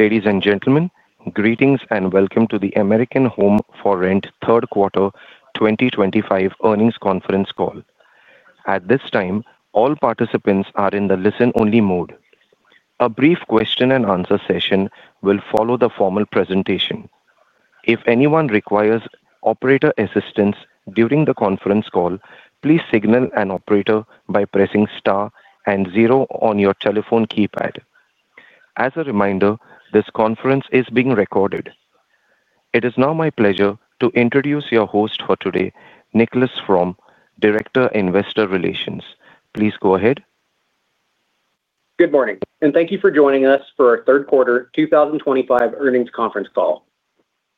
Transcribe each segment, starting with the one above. Ladies and gentlemen, greetings and welcome to the American Homes 4 Rent Third Quarter 2025 earnings conference call. At this time, all participants are in the listen-only mode. A brief question-and-answer session will follow the formal presentation. If anyone requires operator assistance during the conference call, please signal an operator by pressing star and zero on your telephone keypad. As a reminder, this conference is being recorded. It is now my pleasure to introduce your host for today, Nicholas Fromm, Director of Investor Relations. Please go ahead. Good morning and thank you for joining us for our third quarter 2025 earnings conference call.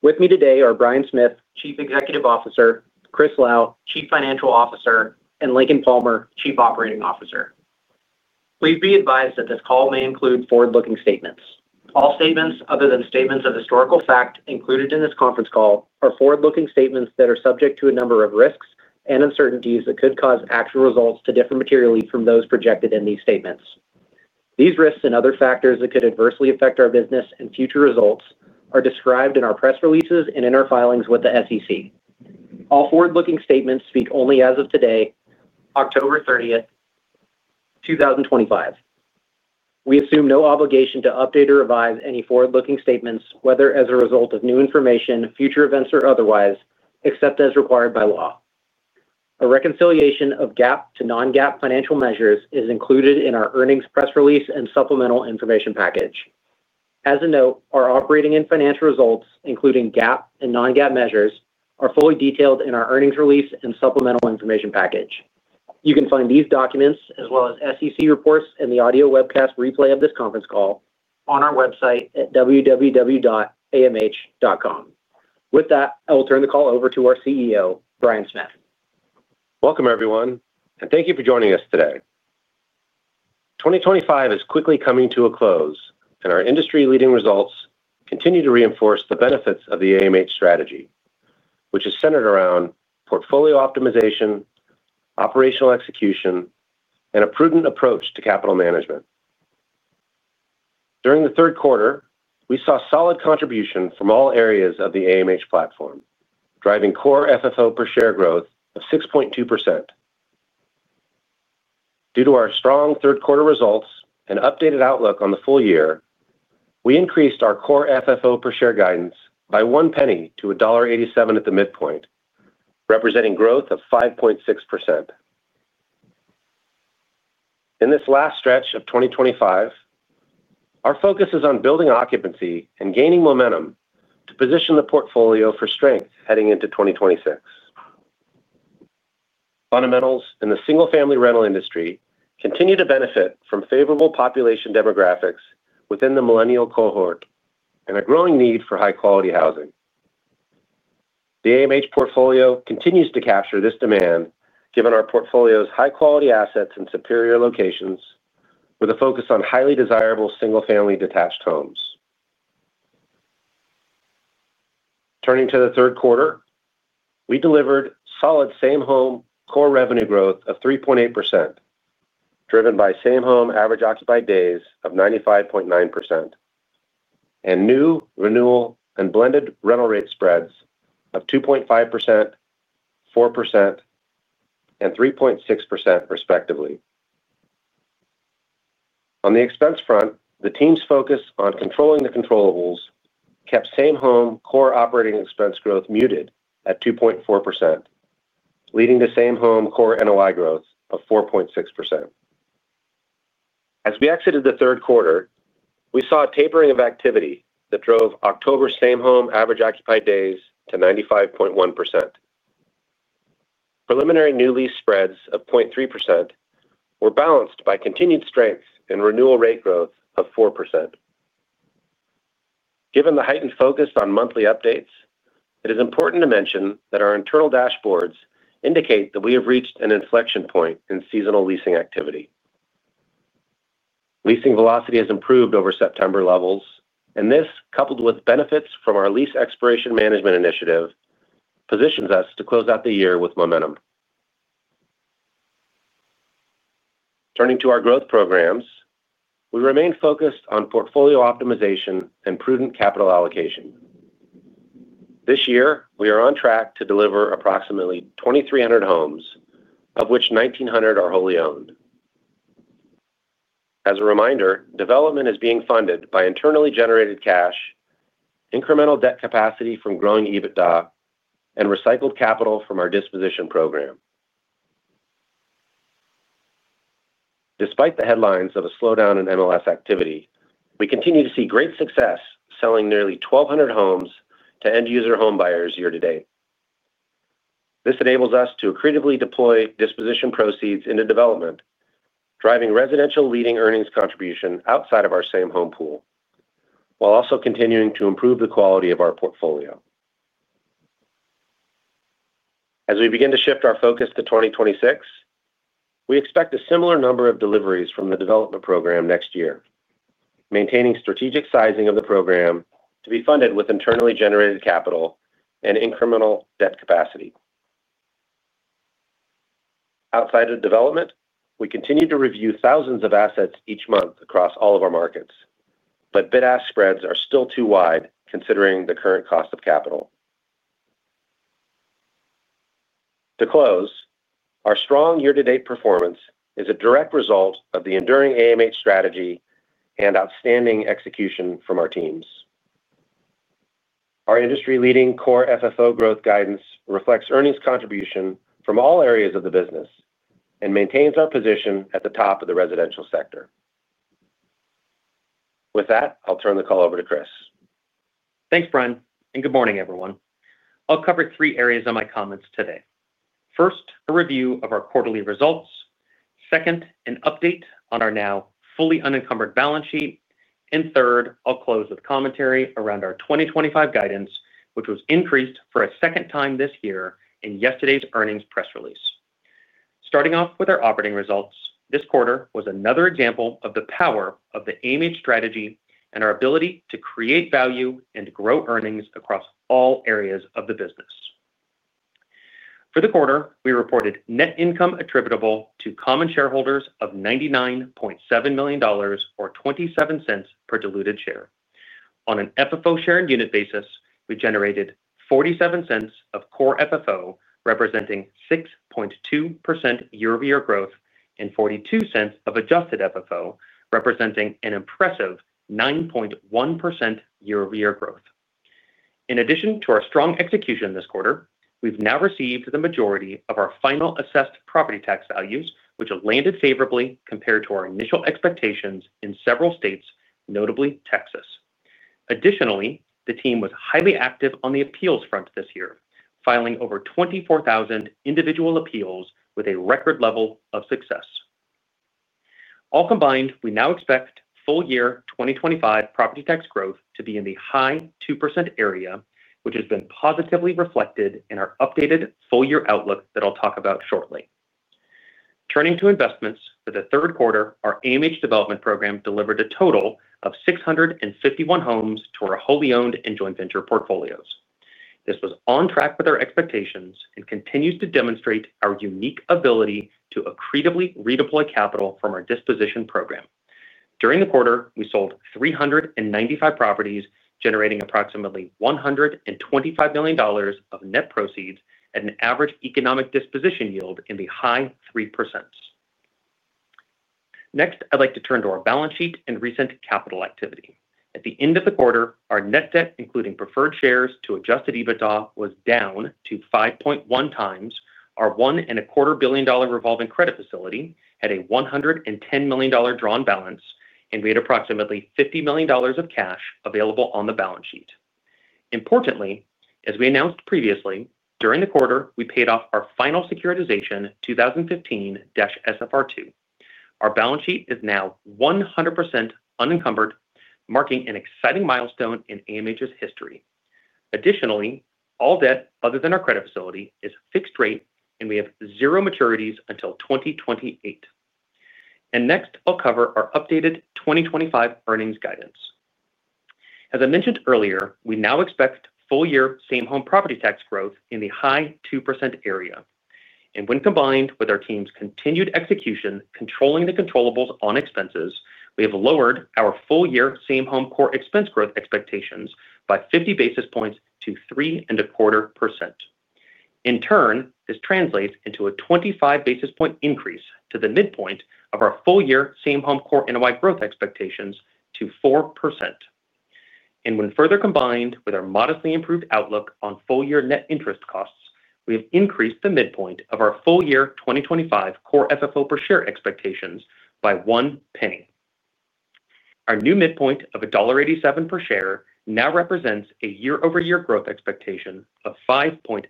With me today are Bryan Smith, Chief Executive Officer, Chris Lau, Chief Financial Officer, and Lincoln Palmer, Chief Operating Officer. Please be advised that this call may include forward-looking statements. All statements other than statements of historical fact included in this conference call are forward-looking statements that are subject to a number of risks and uncertainties that could cause actual results to differ materially from those projected in these statements. These risks and other factors that could adversely affect our business and future results are described in our press releases and in our filings with the SEC. All forward-looking statements speak only as of today, October 30, 2025. We assume no obligation to update or revise any forward-looking statements, whether as a result of new information, future events, or otherwise, except as required by law. A reconciliation of GAAP to Non-GAAP financial measures is included in our earnings press release and supplemental information package. As a note, our operating and financial results, including GAAP and Non-GAAP measures, are fully detailed in our earnings release and supplemental information package. You can find these documents as well as SEC reports and the audio webcast replay of this conference call on our website at www.amh.com. With that, I will turn the call over to our CEO, Bryan Smith. Welcome everyone and thank you for joining us today. 2025 is quickly coming to a close and our industry leading results continue to reinforce the benefits of the AMH strategy, which is centered around portfolio optimization, operational execution, and a prudent approach to capital management. During the third quarter, we saw solid contribution from all areas of the AMH platform, driving core FFO per share growth of 6.2%. Due to our strong third quarter results and updated outlook on the full year, we increased our core FFO per share guidance by $0.01 to $1.87 at the midpoint, representing growth of 5.6% in this last stretch of 2025. Our focus is on building occupancy and gaining momentum to position the portfolio for strength heading into 2026. Fundamentals in the single-family rental industry continue to benefit from favorable population demographics within the Millennial cohort and a growing need for high quality housing. The AMH portfolio continues to capture this demand given our portfolio's high quality assets and superior locations, with a focus on highly desirable single-family detached homes. Turning to the third quarter, we delivered solid same home core revenue growth of 3.8%, driven by same home average occupied days of 95.9% and new, renewal, and blended rental rate spreads of 2.5%, 4%, and 3.6% respectively. On the expense front, the team's focus on controlling the controllables kept same home core operating expense growth muted at 2.4%, leading to same home core NOI growth of 4.6%. As we exited the third quarter, we saw a tapering of activity that drove October same home average occupied days to 95.1%. Preliminary new lease spreads of 0.3% were balanced by continued strength in renewal rate growth of 4%. Given the heightened focus on monthly updates, it is important to mention that our internal dashboards indicate that we have reached an inflection point in seasonal leasing activity. Leasing velocity has improved over September levels, and this, coupled with benefits from our lease expiration management initiative, positions us to close out the year with momentum. Turning to our growth programs, we remain focused on portfolio optimization and prudent capital allocation. This year, we are on track to deliver approximately 2,300 homes, of which 1,900 are wholly owned. As a reminder, development is being funded by internally generated cash, incremental debt capacity from growing EBITDA, and recycled capital from our disposition program. Despite the headlines of a slowdown in MLS activity, we continue to see great success selling nearly 1,200 homes to end user home buyers year to date. This enables us to accretively deploy disposition proceeds into development, driving residential leading earnings contribution outside of our same home pool while also continuing to improve the quality of our portfolio. As we begin to shift our focus to 2026, we expect a similar number of deliveries from the development program next year, maintaining strategic sizing of the program to be funded with internally generated capital and incremental debt capacity outside of development. We continue to review thousands of assets each month across all of our markets, but bid ask spreads are still too wide considering the current cost of capital to close. Our strong year to date performance is a direct result of the enduring AMH strategy and outstanding execution from our teams. Our industry leading core FFO growth guidance reflects earnings contribution from all areas of the business and maintains our position at the top of the residential sector. With. I'll turn the call over to Chris. Thanks, Bryan, and good morning everyone. I'll cover three areas of my comments today. First, a review of our quarterly results. Second, an update on our now fully unencumbered balance sheet, and third, I'll close with commentary around our 2025 guidance, which was increased for a second time this year in yesterday's earnings press release. Starting off with our operating results, this quarter was another example of the power of the AMH strategy and our ability to create value and grow earnings across all areas of the business. For the quarter, we reported net income attributable to common shareholders of $99.7 million, or $0.27 per diluted share. On an FFO share and unit basis, we generated $0.47 of core FFO representing 6.2% year-over-year growth and $0.42 of Adjusted FFO representing an impressive 9.1% year-over-year growth. In addition to our strong execution this quarter, we've now received the majority of our final assessed property tax values, which landed favorably compared to our initial expectations in several states, notably Texas. Additionally, the team was highly active on the appeals front this year, filing over 24,000 individual appeals with a record level of success all combined. We now expect full year 2025 property tax growth to be in the high 2% area, which has been positively reflected in our updated full year outlook that I'll talk about shortly. Turning to investments for the third quarter, our AMH development program delivered a total of 651 homes to our wholly owned and joint venture portfolios. This was on track with our expectations and continues to demonstrate our unique ability to accretively redeploy capital from our disposition program. During the quarter, we sold 395 properties, generating approximately $125 million of net proceeds at an average economic disposition yield in the high 3%. Next, I'd like to turn to our balance sheet and recent capital activity. At the end of the quarter, our net debt, including preferred shares to Adjusted EBITDA, was down to 5.1 times. Our $1.25 billion revolving credit facility had a $110 million drawn balance, and we had approximately $50 million of cash available on the balance sheet. Importantly, as we announced previously, during the quarter we paid off our final securitization 2015 SFR2. Our balance sheet is now 100% unencumbered, marking an exciting milestone in AMH's history. Additionally, all debt other than our credit facility is fixed rate and we have zero maturities until 2028. Next, I'll cover our updated 2025 earnings guidance. As I mentioned earlier, we now expect full year same home property tax growth in the high 2% area, and when combined with our team's continued execution controlling the controllables on expenses, we have lowered our full year same home core expense growth expectations by 50 basis points to 3.25%. In turn, this translates into a 25 basis point increase to the midpoint of our full year same home core NOI growth expectations to 4%. When further combined with our modestly improved outlook on full year net interest costs, we have increased the midpoint of our full year 2025 core FFO per share expectations by one penny. Our new midpoint of $1.87 per share now represents a year-over-year growth expectation of 5.6%.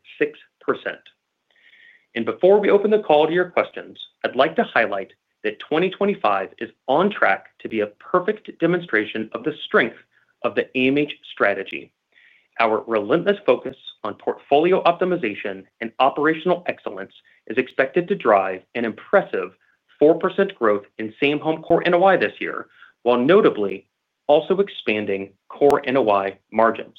Before we open the call to your questions, I'd like to highlight that 2025 is on track to be a perfect demonstration of the strength of the AMH strategy. Our relentless focus on portfolio optimization and operational excellence is expected to drive an impressive 4% growth in same home core NOI this year, while notably also expanding core NOI margins.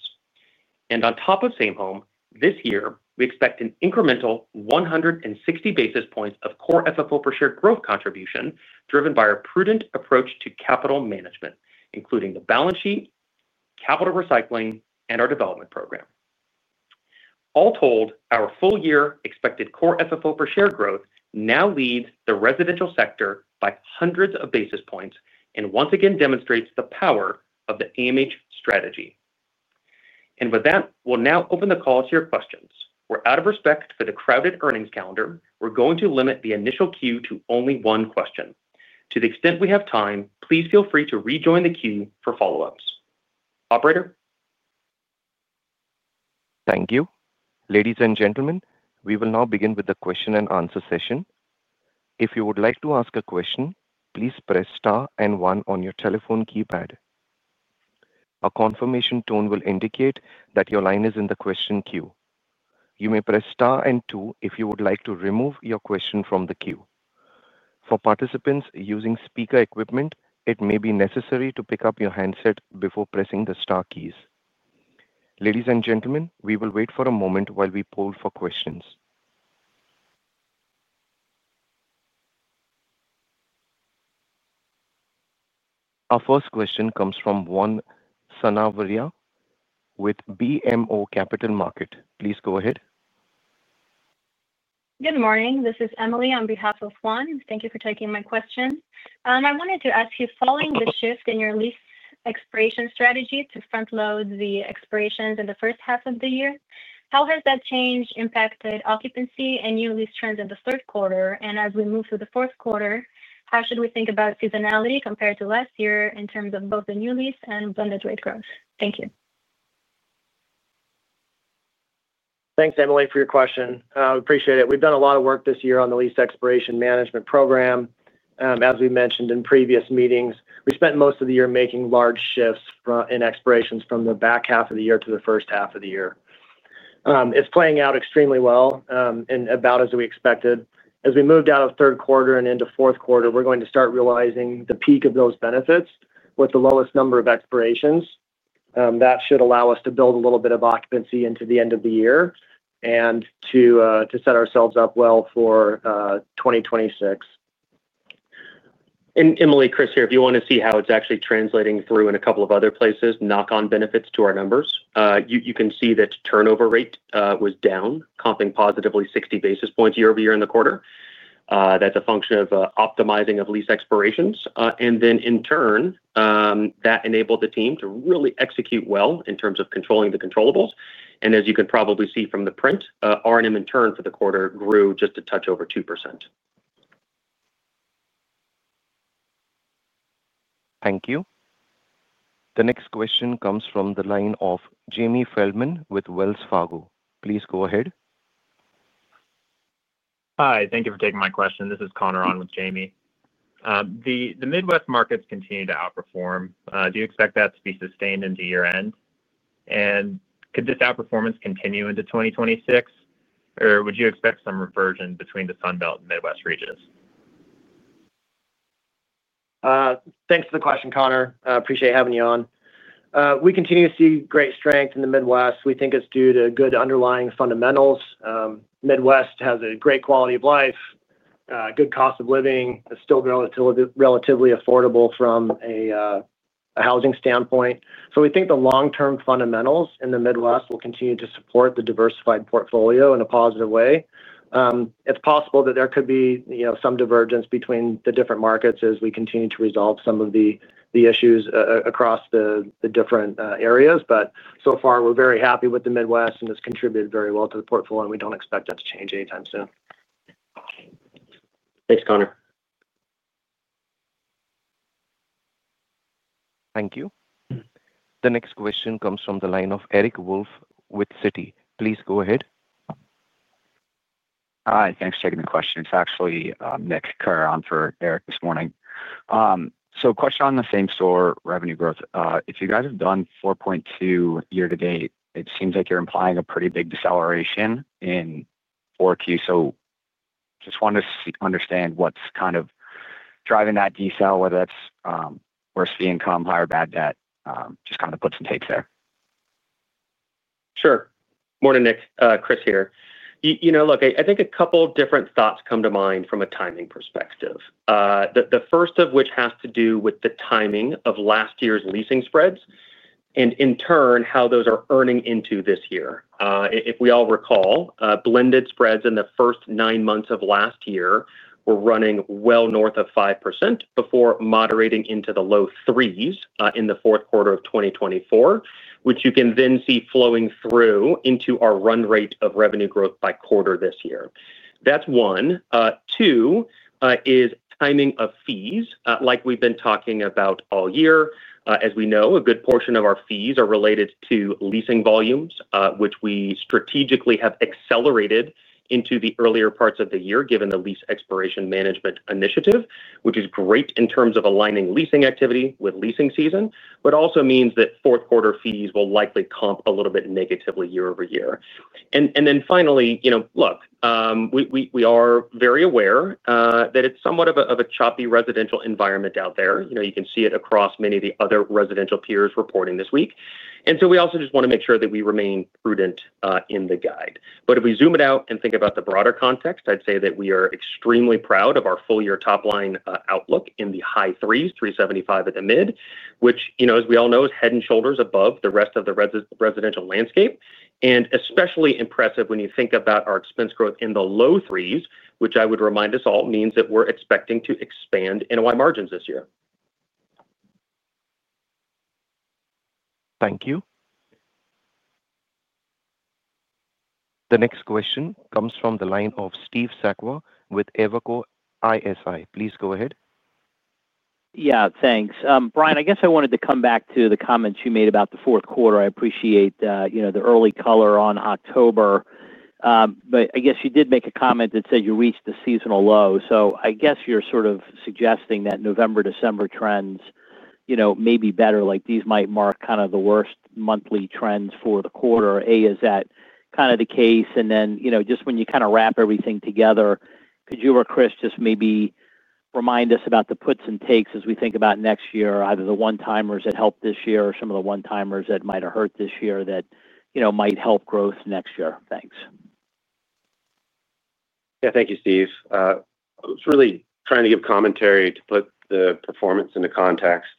On top of same home this year, we expect an incremental 160 basis points of core FFO per share growth contribution driven by our prudent approach to capital management, including the balance sheet, capital recycling, and our development program. All told, our full year expected core FFO per share growth now leads the residential sector by hundreds of basis points and once again demonstrates the power of the AMH strategy. With that, we'll now open the call to your questions. Out of respect for the crowded earnings calendar, we're going to limit the initial queue to only one question. To the extent we have time, please feel free to rejoin the queue for follow ups. Operator. Thank you. Ladies and gentlemen, we will now begin with the question-and-answer session. If you would like to ask a question, please press star and one on your telephone keypad. A confirmation tone will indicate that your line is in the question queue. You may press star and two if you would like to remove your question from the queue. For participants using speaker equipment, it may be necessary to pick up your handset before pressing the star keys. Ladies and gentlemen, we will wait for a moment while we poll for questions. Our first question comes from Juan Sanabria with BMO Capital Markets. Please go ahead. Good morning, this is Emily. On behalf of Juan, thank you for taking my question. I wanted to ask you, following the shift in your lease expiration strategy to front load the expirations in the first half of the year, how has that change impacted occupancy and new lease trends in the third quarter? As we move through the fourth quarter, how should we think about seasonality compared to last year in terms of both the new lease and blended rate growth? Thank you. Thanks, Emily, for your question. Appreciate it. We've done a lot of work this year on the lease expiration management program. As we mentioned in previous meetings, we spent most of the year making large shifts in expirations from the back half of the year to the first half of the year. It's playing out extremely well and about as we expected as we moved out of the third quarter and into the fourth quarter. We're going to start realizing the peak of those benefits with the lowest number of expirations. That should allow us to build a little bit of occupancy into the end of the year and to set ourselves up well for 2026. Emily, Chris here. If you want to see how it's actually translating through in a couple of other places, knock-on benefits to our numbers, you can see that turnover rate was down, comping positively 60 basis points year-over-year in the quarter. That's a function of optimizing of lease expirations, and in turn that enabled the team to really execute well in terms of controlling the controllables. As you can probably see from the print, R&M in turn for the quarter grew just a touch over 2%. Thank you. The next question comes from the line of Jamie Feldman with Wells Fargo. Please go ahead. Hi, thank you for taking my question. This is Connor on with Jamie. The Midwest markets continue to outperform. Do you expect that to be sustained into year end? Could this outperformance continue into 2026 or would you expect some reversion between. The Sun Belt and Midwest regions? Thanks for the question, Connor. Appreciate having you on. We continue to see great strength in the Midwest. We think it's due to good underlying fundamentals. The Midwest has a great quality of life, good cost of living, still relatively affordable from a housing standpoint. We think the long term fundamentals in the Midwest will continue to support the diversified portfolio in a positive way. It is possible that there could be some divergence between the different markets as we continue to resolve some of the issues across the different areas. We are very happy with the Midwest and it has contributed very well. To the portfolio, and we don't expect. That to change anytime soon. Thanks, Connor. Thank you. The next question comes from the line of Eric Wolfe with Citigroup. Please go ahead. Hi, thanks for taking the question. It's actually Nick Coulter on for Eric this morning. Question on the same store revenue growth. If you guys have done 4.2% year to date, it seems like you're implying. A pretty big deceleration in, so just want to understand what's kind of driving that decel, whether that's worse fee income. Higher bad debt just kind of puts and takes there. Sure. Morning, Nick. Chris here. You know, look, I think a couple different thoughts come to mind from a timing perspective, the first of which has to do with the timing of last year's leasing spreads and in turn how those are earning into this year. If we all recall, blended spreads in the first nine months of last year were running well north of 5% before moderating into the low threes in the fourth quarter of 2024, which you can then see flowing through into our run rate of revenue growth by quarter this year. That's one, two is timing of fees like we've been talking about all year. As we know, a good portion of our fees are related to leasing volumes which we strategically have accelerated into the earlier parts of the year given the Lease Expiration Management Initiative, which is great in terms of aligning leasing activity with leasing season, but also means that fourth quarter fees will likely comp a little bit negatively year-over-year. Finally, you know, look, we are very aware that it's somewhat of a choppy residential environment out there. You can see it across many of the other residential peers reporting this week. We also just want to make sure that we remain prudent in the guide. If we zoom it out and think about the broader context, I'd say that we are extremely proud of our full year top line outlook in the high threes, 3.75% at the mid, which you know, as we all know, is head and shoulders above the rest of the residential landscape and especially impressive when you think about our expense growth in the low threes, which I would remind us all means that we're expecting to expand NOI margins this year. Thank you. The next question comes from the line of Steve Sakwa with Evercore ISI, please go ahead. Yeah, thanks, Bryan. I guess I wanted to come back to the comments you made about the fourth quarter. I appreciate the early color on October, but I guess you did make a comment that said you reached a seasonal low. I guess you're sort of suggesting that November, December trends, you know, maybe better. Like these might mark kind of the worst monthly trends for the quarter. Is that kind of the case? When you kind of wrap everything together, could you or Chris just maybe remind us about the puts and takes as we think about next year? Either the one timers that help this year or some of the one timers that might have hurt this year that, you know, might help growth next year. Thanks. Yeah, thank you, Steve. I was really trying to give commentary to put the performance into context.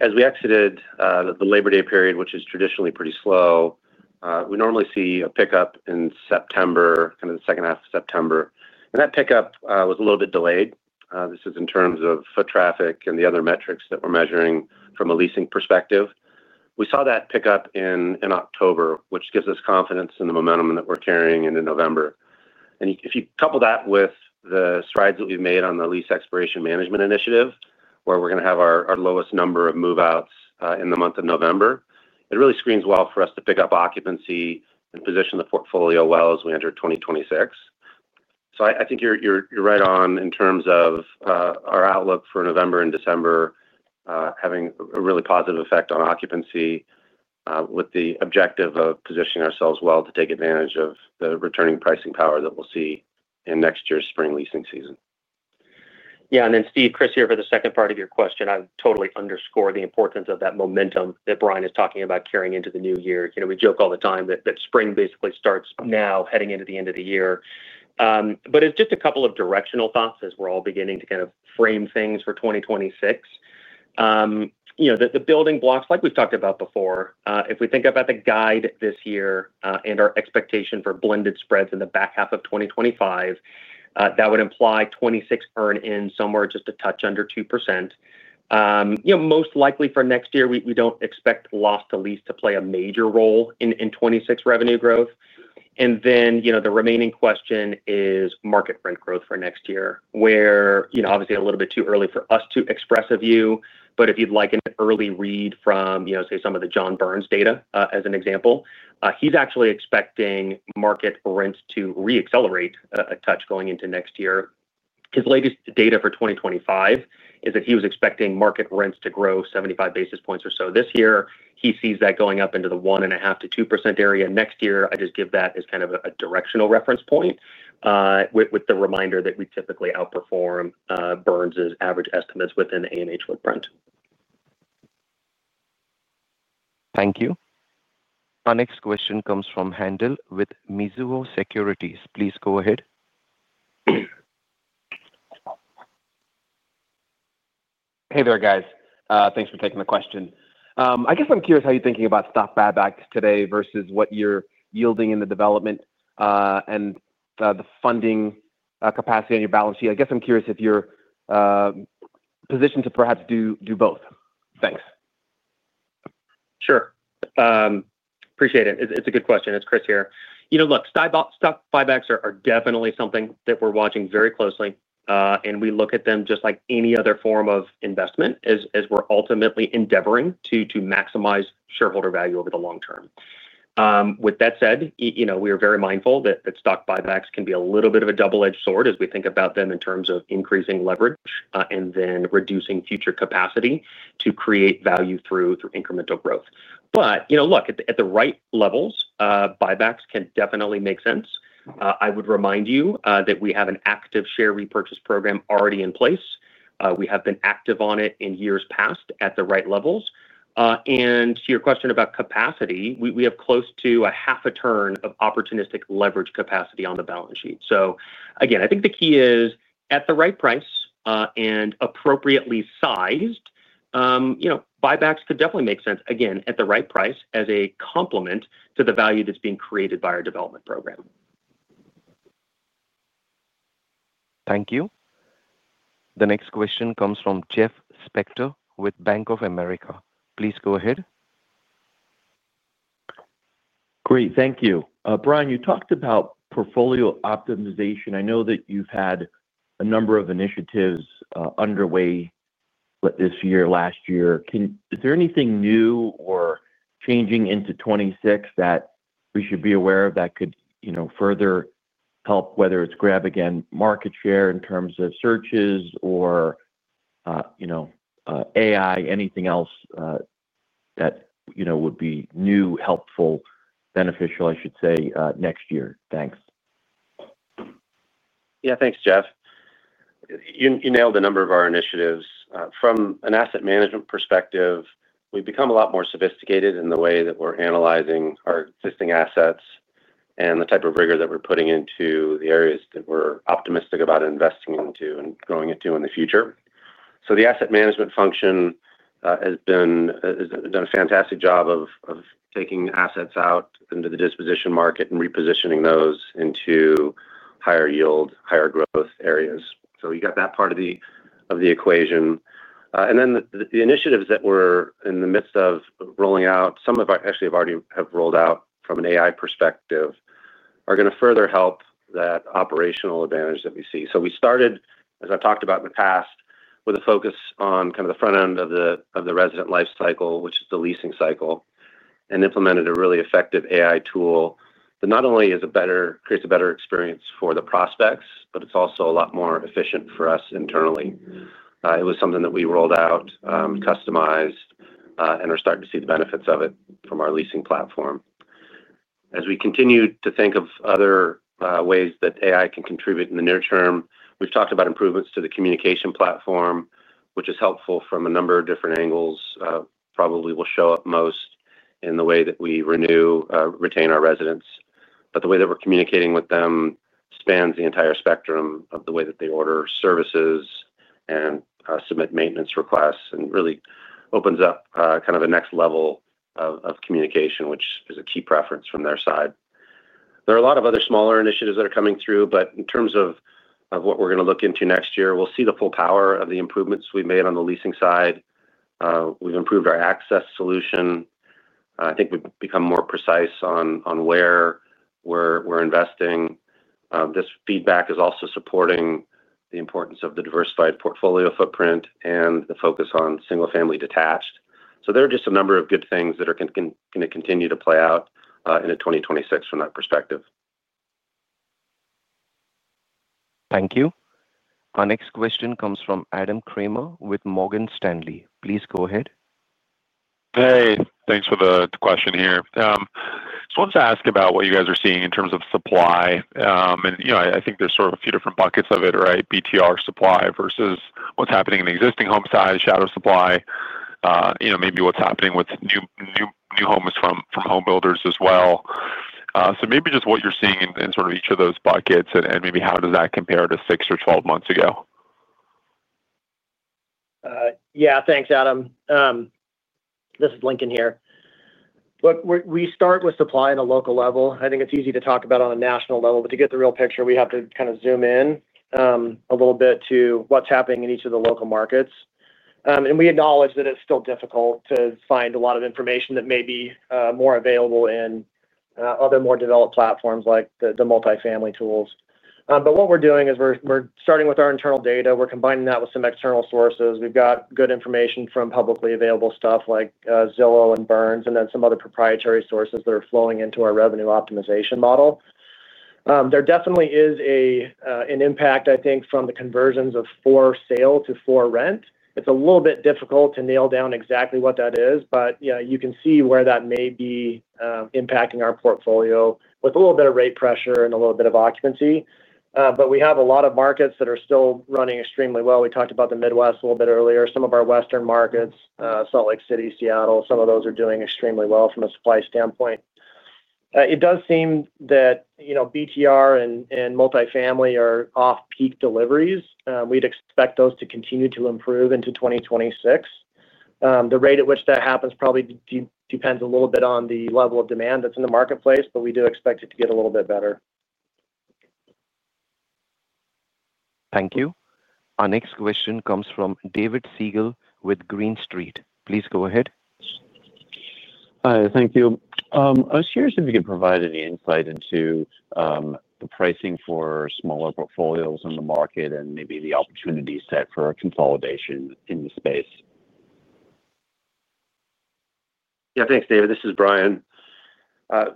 As we exited the Labor Day period, which is traditionally pretty slow, we normally see a pickup in September, kind of the second half of September, and that pickup was a little bit delayed. This is in terms of foot traffic and the other metrics that we're measuring from a leasing perspective. We saw that pick up in October, which gives us confidence in the momentum that we're carrying into November. If you couple that with the strides that we've made on the lease expiration management initiative, where we're going to have our lowest number of move outs in the month of November, it really screens well for us to pick up occupancy and position the portfolio well as we enter 2026. I think you're right on in terms of our outlook for November and December having a really positive effect on occupancy with the objective of positioning ourselves well to take advantage of the returning pricing power that we'll see in next year's spring leasing season. Yeah. Chris here for the second part of your question, I totally underscore the importance of that momentum that Bryan is talking about carrying into the new year. We joke all the time that spring basically starts now heading into the end of the year. Just a couple of directional thoughts as we're all beginning to kind of frame things for 2026. The building blocks like we've talked about before, if we think about the guide this year and our expectation for blended spreads in the back half of 2025, that would imply 20 earn in somewhere just a touch under 2%, most likely for next year. We don't expect loss to lease to play a major role in 2026 revenue growth. The remaining question is market rent growth for next year where obviously a little bit too early for us to express a view. If you'd like an early read from say some of the John Burns data as an example, he's actually expecting market rents to reaccelerate a touch going into next year. His latest data for 2025 is that he was expecting market rents to grow 75 basis points or so this year. He sees that going up into the 1.5%-2% area next year. I just give that as kind of a directional reference point with the reminder that we typically outperform Burns average estimates within the AMH footprint. Thank you. Our next question comes from Haendel St. Juste with Mizuho Americas. Please go ahead. Hey there, guys. Thanks for taking the question. I guess I'm curious how you're thinking about stock buybacks today versus what you're. Yielding in the development and the funding. Capacity on your balance sheet. I guess I'm curious if you're positioned. To perhaps do both. Thanks. Sure, appreciate it. It's a good question. It's Chris here. Look, stock buybacks are definitely something that we're watching very close and we look at them just like any other form of investment as we're ultimately endeavoring to maximize shareholder value over the long term. With that said, we are very mindful that stock buybacks can be a little bit of a double-edged sword as we think about them in terms of increasing leverage and then reducing future capacity to create value through incremental growth. At the right levels, buybacks can definitely make sense. I would remind you that we have an active share repurchase program already in place. We have been active on it in years past at the right levels. To your question about capacity, we have close to a half a turn of opportunistic leverage capacity on the balance sheet. I think the key is at the right price, and appropriately sized buybacks could definitely make sense again at the right price as a complement to the value that's being created by our development program. Thank you. The next question comes from Jeffrey Spector with Bank of America. Please go ahead. Great. Thank you. Bryan, you talked about portfolio optimization. I know that you've had a number of initiatives underway this year. Last year, is there anything new? Changing into 2026 that we should be. Aware of that could further help? Whether it's grab again market share in terms of searches or. AI? Anything else that would be new, helpful, beneficial I should say next year. Thanks. Yeah, thanks Jeff. You nailed a number of our initiatives from an asset management perspective. We've become a lot more sophisticated in the way that we're analyzing our existing assets and the type of rigor that we're putting into the areas that we're optimistic about investing into and growing into in the future. The asset management function has done a fantastic job of taking assets out into the disposition market and repositioning those into higher yield, higher growth areas. You got that part of the equation. The initiatives that we're in the midst of rolling out, some of which actually have already rolled out from an AI perspective, are going to further help that operational advantage that we see. We started, as I've talked about in the past, with a focus on kind of the front end of the resident life cycle, which is the leasing cycle, and implemented a really effective AI tool that not only creates a better experience for the prospects, but it's also a lot more efficient for us internally. It was something that we rolled out, customized, and are starting to see the benefits of it from our leasing platform as we continue to think of other ways that AI can contribute in the near term. We've talked about improvements to the communication platform, which is helpful from a number of different angles. It probably will show up most in the way that we renew, retain our residents, but the way that we're communicating with them spans the entire spectrum of the way that they order services and submit maintenance requests and really opens up kind of a next level of communication, which is a key preference from their side. There are a lot of other smaller initiatives that are coming through, but in terms of what we're going to look into next year, we'll see the full power of the improvements we've made on the leasing side. We've improved our access solution. I think we've become more precise on where investing. This feedback is also supporting the importance of the diversified portfolio footprint and the focus on single-family detached. There are just a number of good things that are going to continue to play out in 2026 from that perspective. Thank you. Our next question comes from Adam Kramer with Morgan Stanley. Please go ahead. Hey, thanks for the question here. Just wanted to ask about what you guys are seeing in terms of supply. I think there's sort of a few different buckets of it, right? BTR supply versus what's happening in the existing home size shadow supply, maybe what's happening with new homes from home builders as well. Maybe just what you're seeing in. Sort of each of those buckets. Maybe how does that compare to six or 12 months ago? Yeah, thanks, Adam. This is Lincoln here. We start with supply on a local level. I think it's easy to talk about on a national level, but to get the real picture, we have to kind of zoom in a little bit to what's happening in each of the local markets. We acknowledge that it's still difficult to find a lot of information that may be more available in other more developed platforms like the multifamily tools. What we're doing is we're starting with our internal data, combining that with some external sources. We've got good information from publicly available stuff like Zillow and Burns and then some other proprietary sources that are flowing into our revenue optimization model. There definitely is an impact, I think, from the conversions of for sale to for rent. It's a little bit difficult to nail down exactly what that is. You can see where that may be impacting our portfolio with a little bit of rate pressure and a little bit of occupancy. We have a lot of markets that are still running extremely well. We talked about the Midwest a little bit earlier. Some of our Western markets, Salt Lake City, Seattle, some of those are doing extremely well. From a supply standpoint, it does seem that, you know, BTR and multifamily are off peak deliveries. We'd expect those to continue to improve into 2026. The rate at which that happens probably depends a little bit on the level of demand that's in the marketplace, but we do expect it to get a little bit better. Thank you. Our next question comes from David Segall with Green Street. Please go ahead. Hi. Thank you. I was curious if you could provide any insight into the pricing for smaller portfolios in the market and maybe the opportunity set for a consolidation in the space. Yeah, thanks, David. This is Bryan. The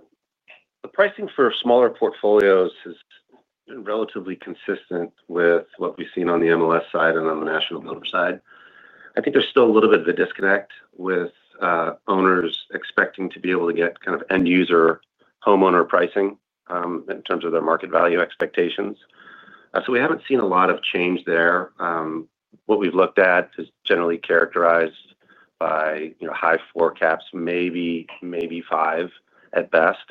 pricing for smaller portfolios has been relatively consistent with what we've seen on the MLS side and on the national builder side. I think there's still a little bit of a disconnect with owners expecting to be able to get kind of end user homeowner pricing in terms of their market value expectations. We haven't seen a lot of change there. What we've looked at is generally characterized by high 4 caps, maybe 5 at best.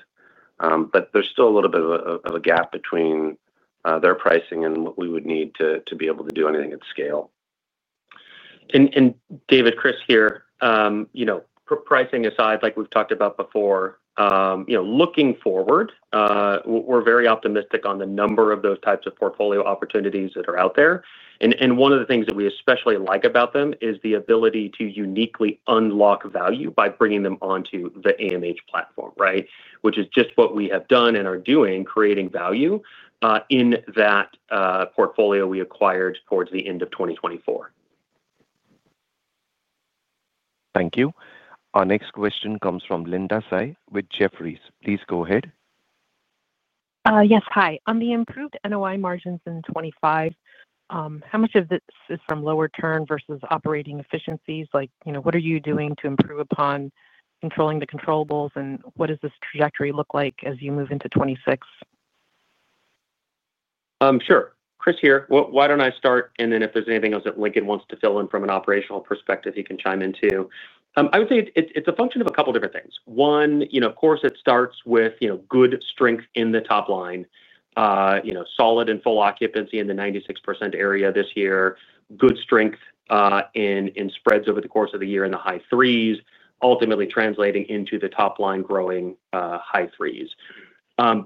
There's still a little bit of a gap between their pricing and what we would need to be able to do anything at scale. David, Chris here. Pricing aside, like we've talked about before, looking forward, we're very optimistic on the number of those types of portfolio opportunities that are out there. One of the things that we especially like about them is the ability to uniquely unlock value by bringing them onto the AMH platform, which is just what we have done and are doing, creating value in that portfolio we acquired towards the end of 2024. Thank you. Our next question comes from Linda Tsai with Jefferies. Please go ahead. Yes, hi. On the improved NOI margins in 2025, how much of this is from lower turn versus operating efficiencies? Like, you know, what are you doing to improve upon controlling the controllables? What does this trajectory look like as you move into 2026? Sure. Chris here, why don't I start and then if there's anything else that Lincoln wants to fill in from an operational perspective he can chime in. I would say it's a function of a couple different things. One, you know, of course, it starts with, you know, good strength in the top line. You know, solid and full occupancy in the 96% area this year, good strength in spreads over the course of the year in the high threes, ultimately translating into the top line growing high threes.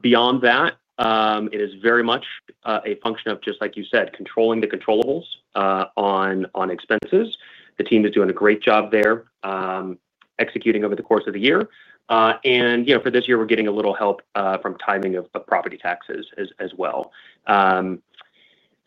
Beyond that, it is very much a function of, just like you said, controlling the controllables on expenses. The team is doing a great job there executing over the course of the year. For this year, we're getting a little help from timing of property taxes as well.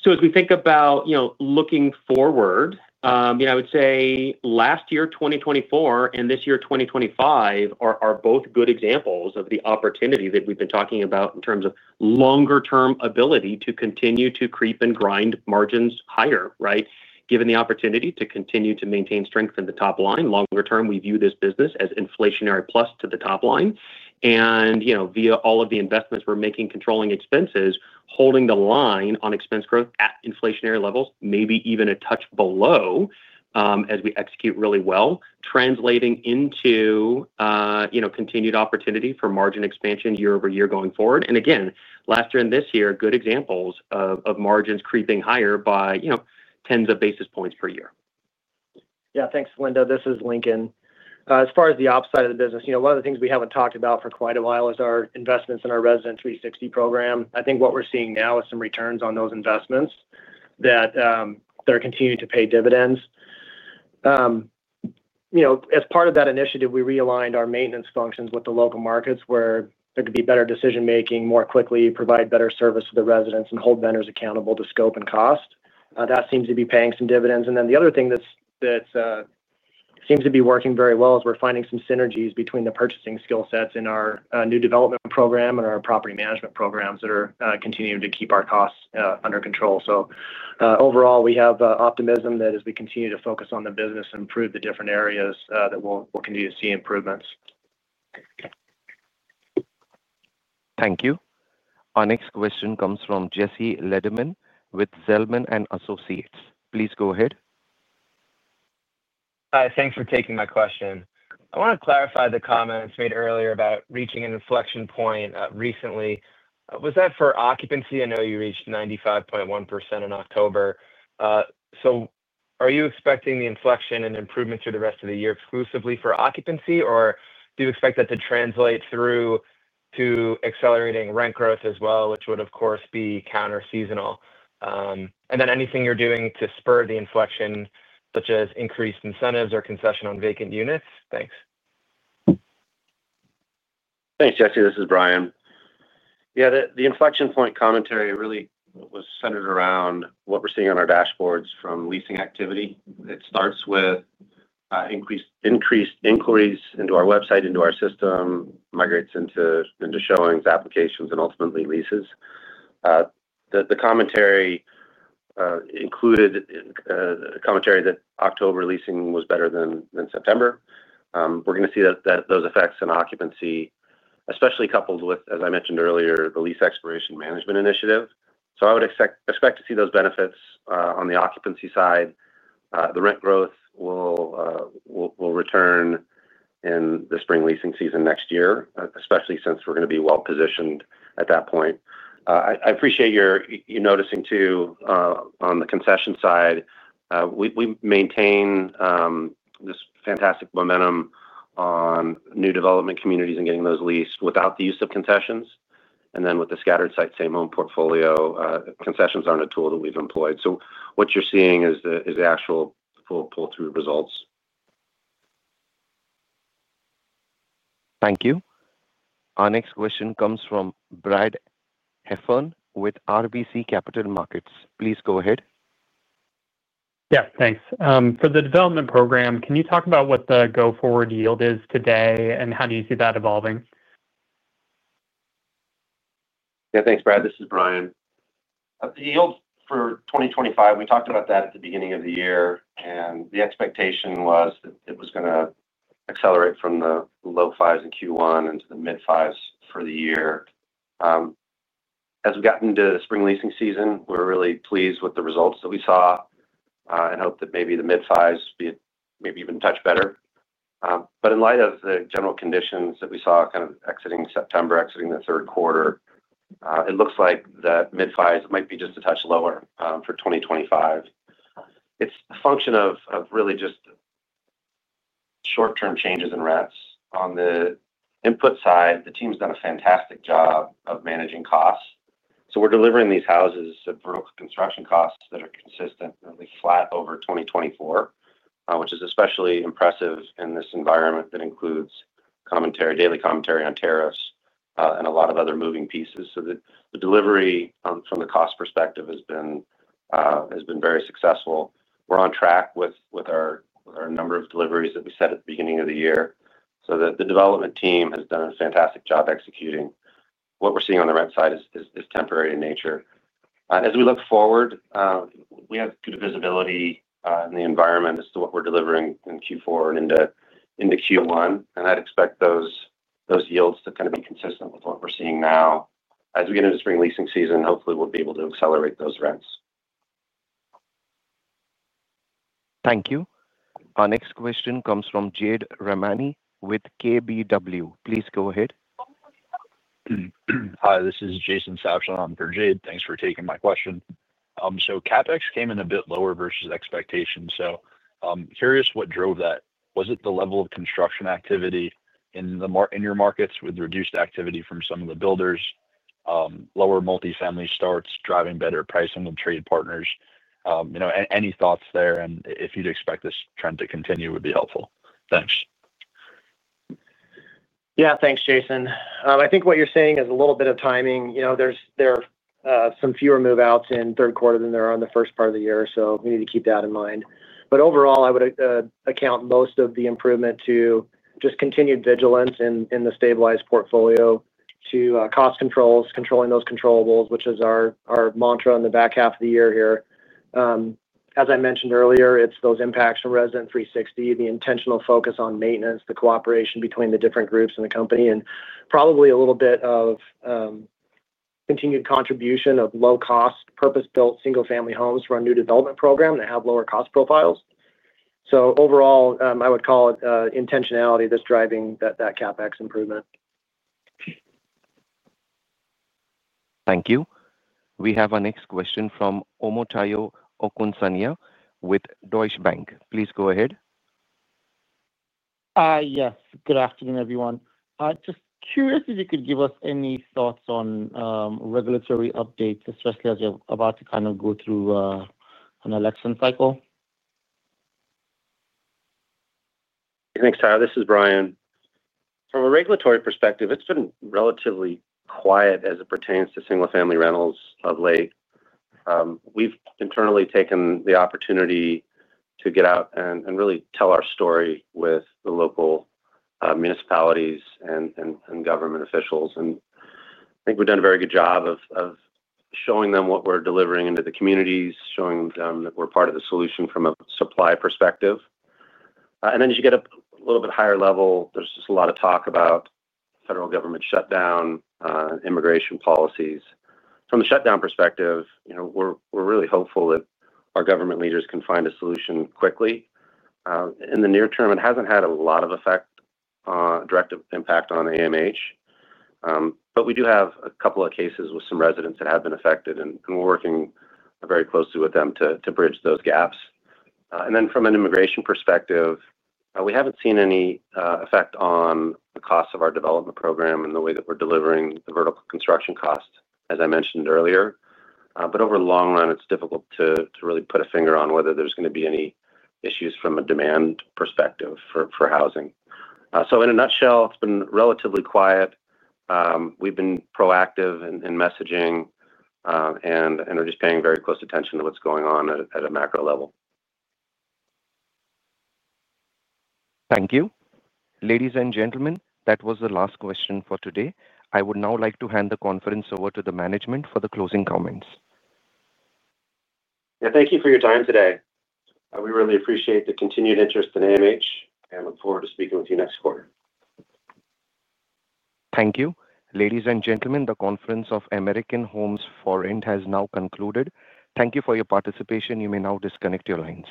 As we think about, you know, looking forward, I would say last year, 2024 and this year, 2025, are both good examples of the opportunity that we've been talking about in terms of longer term, ability to continue to creep and grind margins higher. Right. Given the opportunity to continue to maintain strength in the top line longer term, we view this business as inflationary plus to the top line and via all of the investments we're making, controlling expenses, holding the line on expense growth at inflationary levels, maybe even a touch below as we execute really well, translating into continued opportunity for margin expansion year-over-year going forward and again last year and this year, good examples of margins creeping higher by tens of basis points per year. Yeah, thanks, Linda. This is Lincoln. As far as the op side of the business, one of the things we haven't talked about for quite a while is our investments in our resident 360 program. I think what we're seeing now is some returns on those investments that they're continuing to pay dividends. As part of that initiative, we realigned our maintenance functions with the local markets where there could be better decision making more quickly, provide better service to the residents, and hold vendors accountable to scope and cost. That seems to be paying some dividends. The other thing that seems to be working very well is we're finding some synergies between the purchasing skill sets in our new development program and our property management programs that are continuing to keep our costs under control. Overall, we have optimism that as we continue to focus on the business, improve the different areas, we'll continue to see improvements. Thank you. Our next question comes from Jesse Lederman with Zelman & Associates. Please go ahead. Hi. Thanks for taking my question. I want to clarify the comments made earlier about reaching an inflection point recently. Was that for occupancy? I know you reached 95.1% in October. Are you expecting the inflection and improvement through the rest of the year? Exclusively for occupancy or do you expect. That could translate through to accelerating rent growth as well, which would, of course. Be counter seasonal, and then anything you're. Doing to spur the inflection, such as increased incentives or concessions on vacant units. Thanks. Thanks Jesse. This is Bryan. Yeah, the inflection point commentary really was centered around what we're seeing on our dashboards from leasing activity. It starts with increased inquiries into our website, into our system, migrates into showings, applications, and ultimately leases. The commentary included that October leasing was better than September. We're going to see those effects on occupancy, especially coupled with, as I mentioned earlier, the lease expiration management initiative. I would expect to see those. Benefits on the occupancy side, the rent growth will return in the spring leasing season next year, especially since we're going to be well positioned at that point. I appreciate your noticing too. On the concession side, we maintain this fantastic momentum on new development communities and getting those leased without the use of concessions. With the scattered site same home portfolio, concessions aren't a tool that we've employed. What you're seeing is the actual full pull through results. Thank you. Our next question comes from Brad Heffern with RBC Capital Markets. Please go ahead. Yeah, thanks for the development program. Can you talk about what the go forward yield is today, and how do you see that evolving? Yeah, thanks Brad. This is Bryan. The yield for 2025, we talked about that at the beginning of the year and the expectation was that it was going to accelerate from the low 5% in Q1 into the mid 5% for the year as we got into the spring leasing season. We're really pleased with the results that we saw and hope that maybe the mid 5% be maybe even touch better. In light of the general conditions that we saw kind of exiting September, exiting the third quarter, it looks like that mid 5% might be just a touch lower for 2025. It's a function of really just short term changes in REITs. On the input side, the team's done a fantastic job of managing costs. We're delivering these houses at vertical construction costs that are consistent, really flat over 2024, which is especially impressive in this environment. That includes commentary, daily commentary on tariffs and a lot of other moving pieces. The delivery from the cost perspective has been very successful. We're on track with our number of deliveries that we set at the beginning of the year. The development team has done a fantastic job executing. What we're seeing on the rent side is temporary in nature. As we look forward, we have good visibility in the environment as to what we're delivering in Q4 and into Q1. I'd expect those yields to kind of be consistent with what we're seeing now as we get into spring leasing season. Hopefully we'll be able to accelerate those rents. Thank you. Our next question comes from Jade Rahmani with KBW. Please go ahead. Hi, this is Jason Sabshon on for Jade. Thanks for taking my question. CapEx came in a bit lower versus expectations. Curious what drove that? Was it the level of construction activity in your markets? With reduced activity from some of the builders, lower multifamily starts driving better pricing of trade partners, any thoughts there? If you'd expect this trend to continue would be helpful, thanks. Yeah, thanks Jason. I think what you're saying is a little bit of timing. You know, there are some fewer move outs in third quarter than there. Are in the first part of the. Year, so we need to keep that in mind. Overall, I would account most of the improvement to just continued vigilance in the stabilized portfolio to cost controls, controlling those controllables, which is our mantra in the back half of the year here. As I mentioned earlier, it's those impacts from resident 360, the intentional focus on maintenance, the cooperation between the different groups in the company, and probably a little bit of continued contribution of low-cost purpose-built single-family homes for a new development program that have lower cost profiles. Overall, I would call it intentionality that's driving that CapEx improvement. Thank you. We have our next question from Omotayo Okusanya with Deutsche Bank. Please go ahead. Yes, good afternoon everyone. I'm just curious if you could give us any thoughts on regulatory updates, especially as you're about to kind of go through election cycle. Thanks, Tayo. This is Bryan. From a regulatory perspective, it's been relatively quiet as it pertains to single-family rentals. Of late, we've internally taken the opportunity to get out and really tell our story with the local municipalities and government officials. I think we've done a very good job of showing them what we're delivering into the communities, showing them that we're part of the solution from a supply perspective. As you get a little bit higher level, there's just a lot of talk about federal government shutdown, immigration policies. From the shutdown perspective, we're really hopeful that our government leaders can find a solution quickly in the near term. It hasn't had a lot of direct impact on American Homes 4 Rent, but we do have a couple of cases with some residents that have been affected and we're working very closely with them to bridge those gaps. From an immigration perspective, we haven't seen any effect on the cost of our development program and the way that we're delivering the vertical construction cost, as I mentioned earlier. Over the long run, it's difficult to really put a finger on whether there's going to be any issues from a demand perspective for housing. In a nutshell, it's been relatively quiet. We've been proactive in messaging and are just paying very close attention to what's going on at a macro level. Thank you, ladies and gentlemen. That was the last question for today. I would now like to hand the conference over to the management for the closing comments. Thank you for your time today. We really appreciate the continued interest in American Homes 4 Rent and look forward to speaking with you next quarter. Thank you. Ladies and gentlemen, the conference of American Homes 4 Rent has now concluded. Thank you for your participation. You may now disconnect your lines.